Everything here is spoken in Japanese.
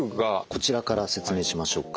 こちらから説明しましょうか。